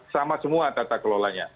sama semua tata kelolanya